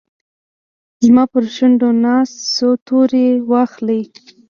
زما پرشونډو ناست، څو توري واخلې